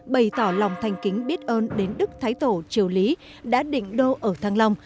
bày tỏ lòng thanh kính biết ơn đến đức thái tổ triều lý đã định đô ở thăng long